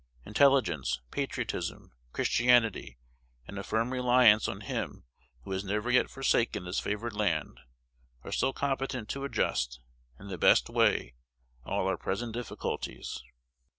Intelligence, patriotism, Christianity, and a firm reliance on Him who has never yet forsaken this favored land, are still competent to adjust, in the best way, all our present difficulties.